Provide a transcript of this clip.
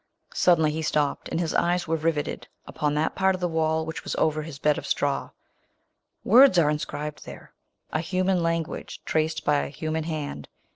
Suddenly he stopped, and his eyes were rivet ed upon that part of the Avail which Avas over his bed of straAV. Words are inscribed there! A human lan guage, traced by a human hand!